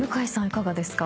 いかがですか？